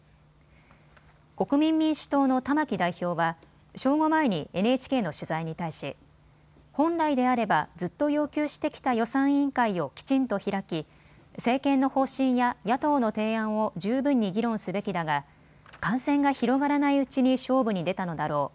国民民主党の玉木代表は正午前にＮＨＫの取材に対し本来であればずっと要求してきた予算委員会をきちんと開き政権の方針や野党の提案を十分に議論すべきだが感染が広がらないうちに勝負に出たのだろう。